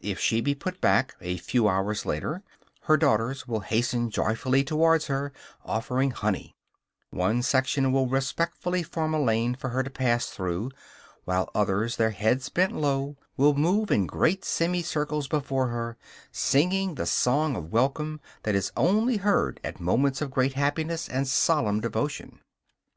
If she be put back, a few hours later, her daughters will hasten joyfully towards her, offering honey; one section will respectfully form a lane for her to pass through, while others, their heads bent low, will move in great semi circles before her, singing the song of welcome that is only heard at moments of great happiness and solemn devotion.